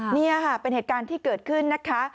นี่ค่ะเป็นเหตุการณ์ที่เกิดขึ้นนะคะ